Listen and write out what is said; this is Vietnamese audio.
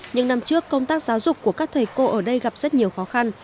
những năm trước công tác giáo dục của các thầy cô ở đây gặp rất nhiều khó khăn